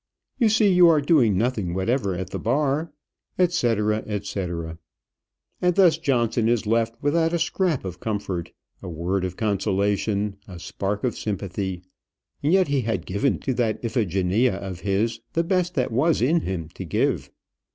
You see you are doing nothing whatever at the bar," &c., &c. And thus Johnson is left, without a scrap of comfort, a word of consolation, a spark of sympathy; and yet he had given to that Iphigenia of his the best that was in him to give.